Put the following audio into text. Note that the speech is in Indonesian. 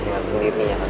dengan sendirinya kan